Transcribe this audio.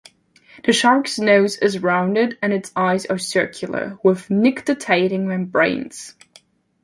The shark's nose is rounded and its eyes are circular, with nictitating membranes.